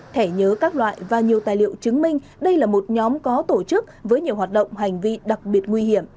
thẻ nhớ các loại và nhiều tài liệu chứng minh đây là một nhóm có tổ chức với nhiều hoạt động hành vi đặc biệt nguy hiểm